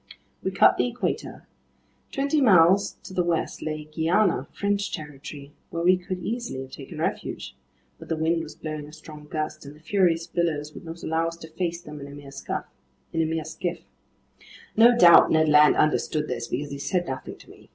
We cut the Equator. Twenty miles to the west lay Guiana, French territory where we could easily have taken refuge. But the wind was blowing a strong gust, and the furious billows would not allow us to face them in a mere skiff. No doubt Ned Land understood this because he said nothing to me.